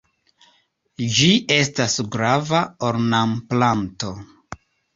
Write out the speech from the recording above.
Ĝi estas grava ornamplanto.